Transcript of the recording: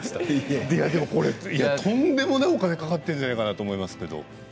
とんでもないお金がかかっているんじゃないかと思うんですけど。